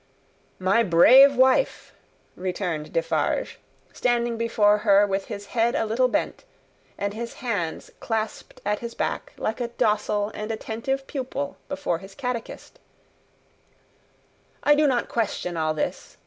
"My brave wife," returned Defarge, standing before her with his head a little bent, and his hands clasped at his back, like a docile and attentive pupil before his catechist, "I do not question all this.